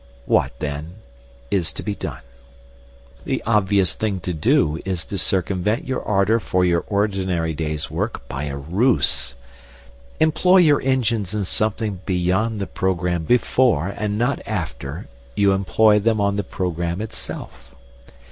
What, then, is to be done? The obvious thing to do is to circumvent your ardour for your ordinary day's work by a ruse. Employ your engines in something beyond the programme before, and not after, you employ them on the programme itself.